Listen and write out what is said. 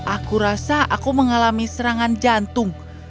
aku rasa aku mengalami serangan jantung